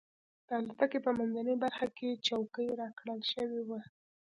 د الوتکې په منځۍ برخه کې چوکۍ راکړل شوې وه.